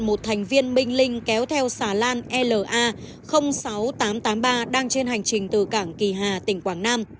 một thành viên minh linh kéo theo xà lan la sáu nghìn tám trăm tám mươi ba đang trên hành trình từ cảng kỳ hà tỉnh quảng nam